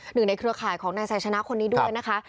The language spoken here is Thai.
ในเครือข่ายของนายไซชนะคนนี้ด้วยนะคะ